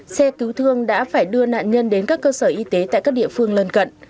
xe cứu thương đã phải đưa nạn nhân đến các cơ sở y tế tại các địa phương lân cận